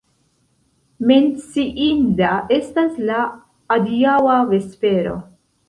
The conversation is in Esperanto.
Menciinda estas la adiaŭa vespero.